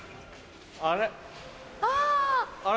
あれ？